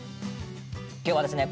今日はですね